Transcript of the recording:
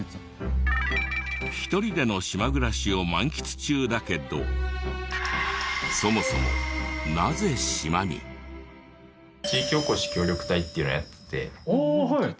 １人での島暮らしを満喫中だけどそもそもなぜ島に？っていうのをやってて。